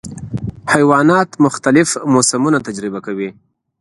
حیوانات مختلف موسمونه تجربه کوي.